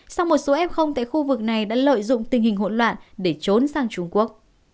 sau một số f tại khu vực này đã lợi dụng tình hình hỗn loạn để trốn sang trung quốc